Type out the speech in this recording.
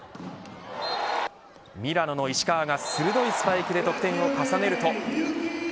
ミラノの石川が鋭いスパイクで得点を重ねると。